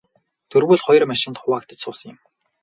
Дөрвүүл хоёр машинд хуваагдаж суусан юм.